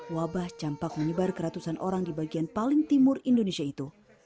wabah jampak menyebar keratusan orang di bagian paling timur indonesia itu